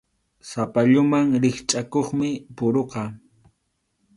Sapalluman rikchʼakuqmi puruqa.